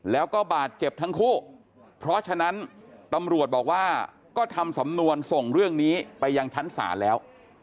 แล้วก็บาดเจ็บทั้งคู่เพราะฉะนั้นตำรวจบอกว่าก็ทำสำนวนส่งเรื่องนี้ไปยังชั้นศาลแล้ว